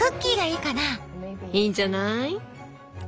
いいんじゃない。